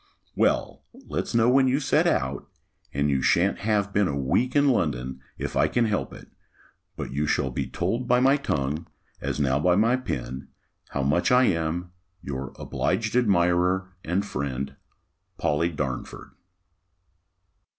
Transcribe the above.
Well, let's know when you set out, and you shan't have been a week in London, if I can help it, but you shall be told by my tongue, as now by my pen, how much I am your obliged admirer and friend, POLLY DARNFORD.